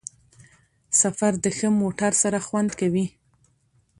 سفر د ښه موټر سره خوند کوي.